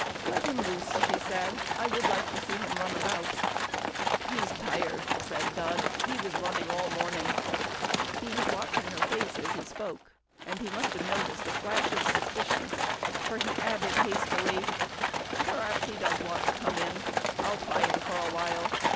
"Let him loose," she said. "I would like to see him run about." "He's tired," said Dud, "he was running all the morning." He was watching her face as he spoke, and he must have noticed a flash of suspicion, for he added hastily, "Perhaps he does want to come in. I'll try him for a while.